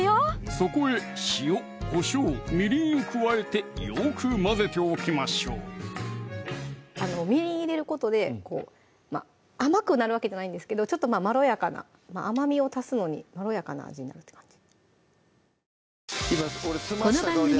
そこへ塩・こしょう・みりんを加えてよく混ぜておきましょうみりん入れることで甘くなるわけじゃないんですけどちょっとまろやかなまぁ甘みを足すのにまろやかな味になるって感じ